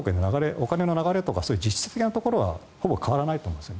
お金の流れとか実質的なところはほぼ変わらないと思います。